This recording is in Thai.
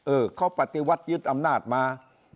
เออเขาปฏิวัติยึดอำนาจมา